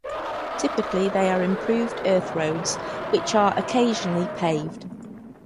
Typically they are improved earth roads which are occasionally paved.